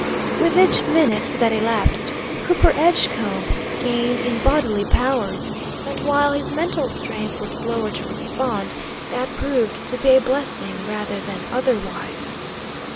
With each minute that elapsed Cooper Edgecombe gained in bodily powers, and while his mental strength was slower to respond, that proved to be a blessing rather than otherwise.